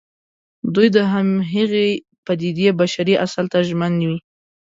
دوی د همغې پدېدې بشري اصل ته ژمن وي.